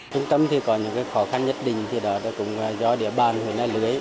trung tâm thì có những khó khăn nhất định thì đó cũng do địa bàn hồi nãy lưới